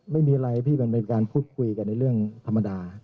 ไม่มีอะไรพี่มันเป็นการพูดคุยกันในเรื่องธรรมดา